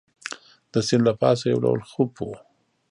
د سیند له پاسه یو ډول خوپ وو.